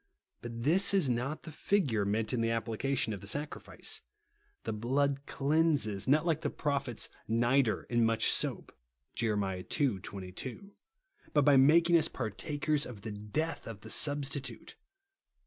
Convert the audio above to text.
But this is not the figure meant in the applica tion of the sacrifice. The blood cleanses, not like the prophet's "nitre and much soap " (Jer. ii. 22), but by making us par takers of the cleatli of the Substitute.